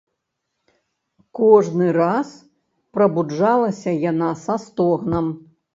Кожны раз прабуджалася яна са стогнам.